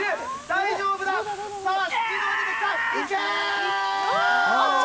大丈夫だ。さあ、スピードが出てきた、いけー。